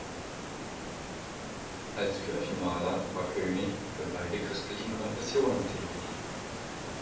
Als Kirchenmaler war König für beide christlichen Konfessionen tätig.